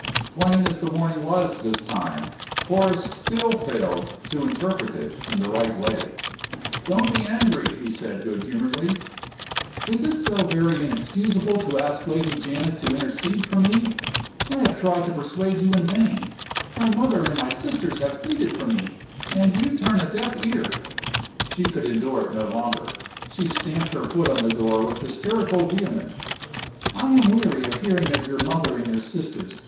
Plain as the warning was this time, Horace still failed to interpret it in the right way. "Don't be angry!" he said, good humoredly. "Is it so very inexcusable to ask Lady Janet to intercede for me? I have tried to persuade you in vain. My mother and my sisters have pleaded for me, and you turn a deaf ear " She could endure it no longer. She stamped her foot on the door with hysterical vehemence. "I am weary of hearing of your mother and your sisters!"